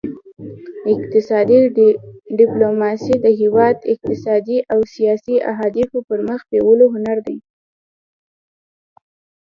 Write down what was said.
اقتصادي ډیپلوماسي د یو هیواد اقتصادي او سیاسي اهدافو پرمخ بیولو هنر دی